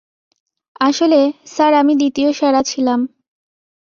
আসলে, স্যার, আমি দ্বিতীয় সেরা ছিলাম।